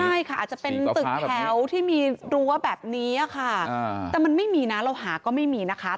ใช่ค่ะอาจจะเป็นตึกแถวที่มีรั้วแบบนี้ค่ะแต่มันไม่มีนะเราหาก็ไม่มีนะคะ